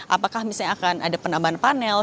apakah misalnya akan ada penambahan panel